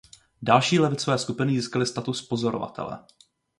Další levicové skupiny získaly status pozorovatele.